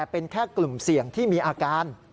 เป็นแค่กลุ่มเสี่ยงที่มีอาการ